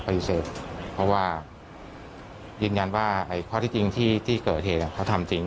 ปฏิเสธเพราะว่ายืนยันว่าข้อที่จริงที่เกิดเหตุเขาทำจริง